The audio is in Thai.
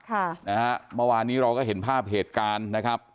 ค่ะนะฮะเมื่อวานนี้เราก็เห็นภาพเหตุการณ์นะครับ